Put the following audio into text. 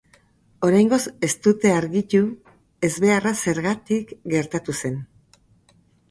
Oraingoz ez dute argitu ezbeharra zergatik gertatu zen.